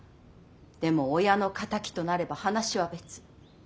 でも親の敵となれば話は別。